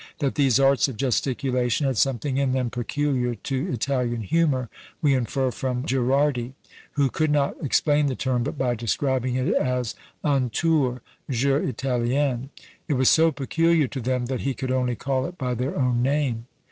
That these arts of gesticulation had something in them peculiar to Italian humour, we infer from Gherardi, who could not explain the term but by describing it as "Un Tour; JEU ITALIEN!" It was so peculiar to them, that he could only call it by their own name.